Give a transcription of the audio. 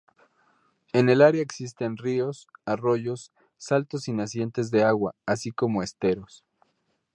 En el área existen ríos, arroyos, saltos y nacientes de agua, así como esteros.